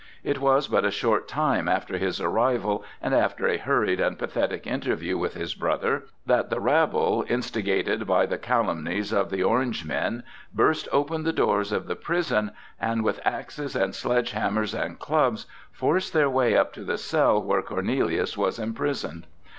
It was but a short time after his arrival, and after a hurried and pathetic interview with his brother, that the rabble, instigated by the calumnies of the Orange men, burst open the doors of the prison, and with axes and sledge hammers and clubs forced their way up to the cell where Cornelius was imprisoned.